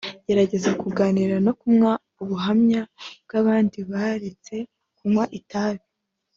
Geregeza kuganira no kumwa ubuhamya bw’abandi baretse kunywa itabi